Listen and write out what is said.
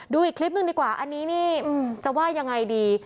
ดูอีกคลิปหนึ่งดีกว่าอันนี้นี่จะว่ายังไงดี